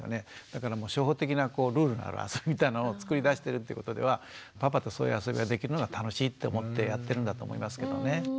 だから初歩的なルールのある遊びみたいなのを作り出してるってことではパパとそういう遊びができるのが楽しいと思ってやってるんだと思いますけどね。